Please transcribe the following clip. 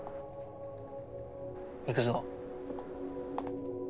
行くぞ。